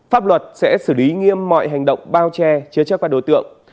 pháp luật sẽ xử lý nghiêm mọi hành động bao che chứa chấp các đối tượng